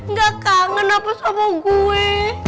nggak kangen apa sama gue